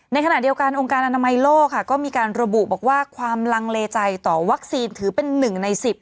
ในขณะเดียวกันองค์การอนามัยโลกค่ะก็มีการระบุบอกว่าความลังเลใจต่อวัคซีนถือเป็น๑ใน๑๐